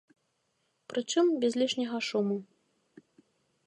Прычым, без лішняга шуму.